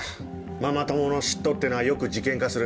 ママ友の嫉妬っていうのはよく事件化する。